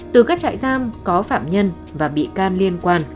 từ các trại giam có phạm nhân và bị can liên quan